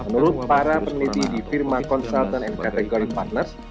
menurut para peneliti di firma consultant and kategori partners